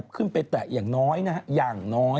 ขึ้นไปแตะอย่างน้อยนะฮะอย่างน้อย